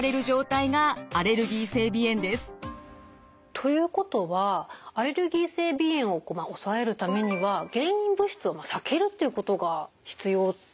ということはアレルギー性鼻炎を抑えるためには原因物質を避けるっていうことが必要効果的ってことですか？